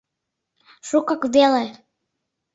— Шукак веле.